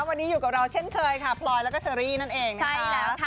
วันนี้อยู่กับเราเช่นเคยค่ะพลอยแล้วก็เชอรี่นั่นเองใช่แล้วค่ะ